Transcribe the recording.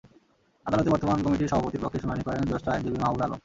আদালতে বর্তমান কমিটির সভাপতির পক্ষে শুনানি করেন জ্যেষ্ঠ আইনজীবী মাহবুবে আলম।